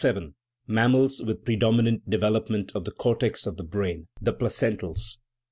Mammals with predominant development of the cortex of the brain : the placentals.